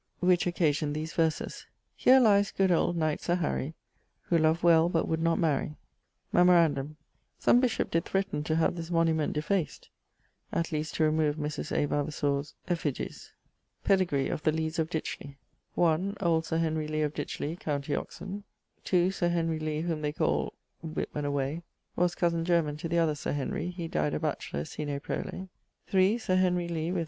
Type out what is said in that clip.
Which occasioned these verses: Here lies good old knight Sir Harry, Who loved well, but would not marry.... Memorandum: some bishop did threaten to have this monument defaced (at least to remove Mris. A. Vavasour's effigies). <_Pedigree of the Lees of Ditchley._> (1) Old Sir Henry Lee of Ditchley, com. Oxon. (2) Sir Henry Lee, whom they called Whip and away, was cosen german to the other Sir Henry; he dyed a batchelor, sine prole. (3) Sir Henry Lee, _m.